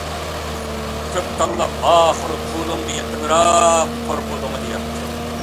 كۆپ تاللاپ ئاخىرى كۇلۇڭغا يېقىنراق تۆر بۇلۇڭدا ياتتى.